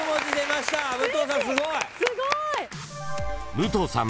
［武藤さん